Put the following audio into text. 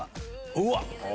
うわっ！